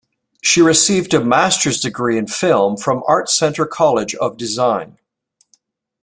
She received a master's degree in film from Art Center College of Design.